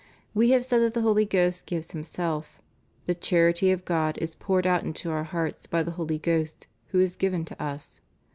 We have said that the Holy Ghost gives Himself: the charity of God is poured out into our hearts by the Holy Ghost who is given to us.